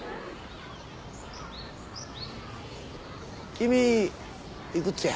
君いくつや？